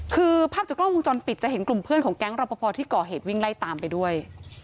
คือภาพจากกล้องวงจรปิดจะเห็นกลุ่มเพื่อนของแก๊งรอปภที่ก่อเหตุวิ่งไล่ตามไปด้วย